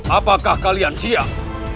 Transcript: apakah kalian siap